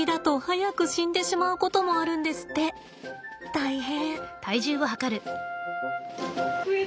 大変。